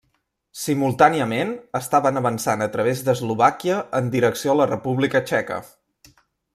Simultàniament, estaven avançant a través d'Eslovàquia en direcció a la República Txeca.